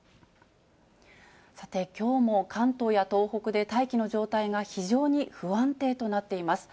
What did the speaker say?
さて、きょうも関東や東北で大気の状態が非常に不安定となっています。